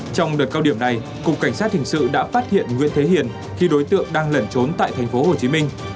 trong đợt cao điểm này cục cảnh sát hình sự đã phát hiện nguyễn thế hiền khi đối tượng đang lẩn trốn tại tp hcm